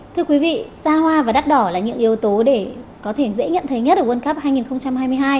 thưa quý vị xa hoa và đắt đỏ là những yếu tố để có thể dễ nhận thấy nhất ở world cup hai nghìn hai mươi hai